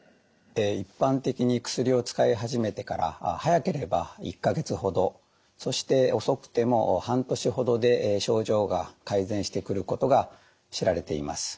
一般的に薬を使い始めてから早ければ１か月ほどそして遅くても半年ほどで症状が改善してくることが知られています。